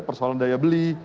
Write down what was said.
persoalan daya beli